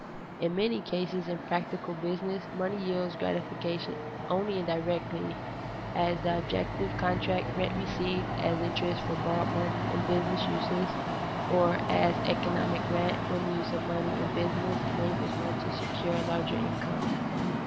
In many cases in practical business money yields gratification only indirectly, as the objective contract rent received as interest for borrowed money in business uses, or as economic rent when the use of money in business enables one to secure a larger income.